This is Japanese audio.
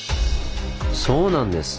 そうなんです。